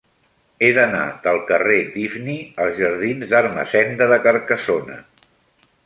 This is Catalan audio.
He d'anar del carrer d'Ifni als jardins d'Ermessenda de Carcassona.